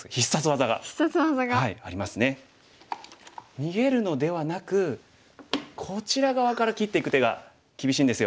逃げるのではなくこちら側から切っていく手が厳しいんですよ。